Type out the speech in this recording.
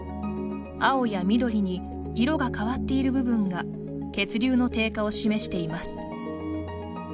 青や緑に色が変わっている部分が血流の低下を示しています。